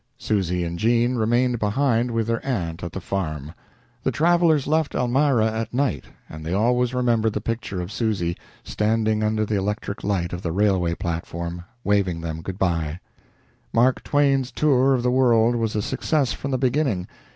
Susy and Jean remained behind with their aunt at the farm. The travelers left Elmira at night, and they always remembered the picture of Susy, standing under the electric light of the railway platform, waving them good by. Mark Twain's tour of the world was a success from the beginning.